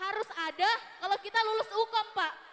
harus ada kalau kita lulus hukum pak